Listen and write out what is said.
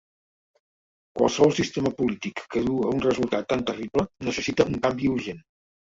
Qualsevol sistema polític que du a un resultat tan terrible necessita un canvi urgent.